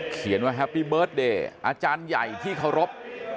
เขียนว่าแฮปปี้เบิร์ตเดย์อาจารย์ใหญ่ที่เคารพ